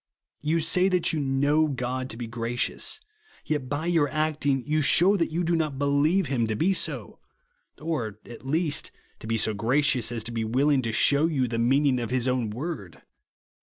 You say that you know God to be gra cious, yet, by your acting, you shew that you do not believe him to be so ; or, at least, to be so gracious as to be willing to shew you the meaning of his own word.